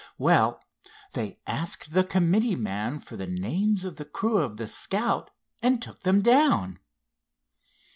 "Well, they asked the committee man for the names of the crew of the Scout and took them down."